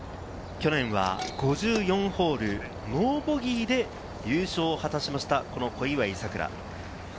去年は５４ホール、ノーボギーで優勝を果たしました、小祝さくら。